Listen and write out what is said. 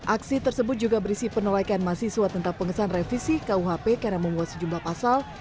aksi tersebut juga berisi penolakan mahasiswa tentang pengesahan revisi kuhp karena membuat sejumlah pasal